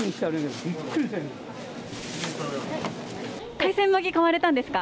海鮮巻き、買われたんですか。